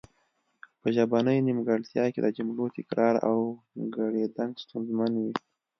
په ژبنۍ نیمګړتیا کې د جملو تکرار او ګړیدنګ ستونزمن وي